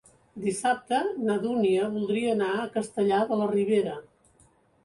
Dissabte na Dúnia voldria anar a Castellar de la Ribera.